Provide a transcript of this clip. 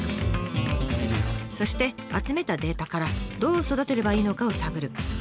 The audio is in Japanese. そして集めたデータからどう育てればいいのかを探る。